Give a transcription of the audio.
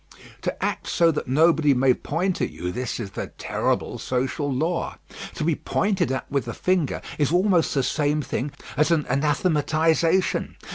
"To act so that nobody may point at you;" this is the terrible social law. To be pointed at with the finger is almost the same thing as an anathematisation.